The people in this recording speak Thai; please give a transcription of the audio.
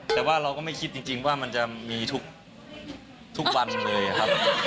แต่ว่าเราก็ไม่คิดจริงว่ามันจะมีทุกวันเลยครับ